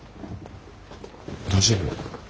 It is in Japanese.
大丈夫？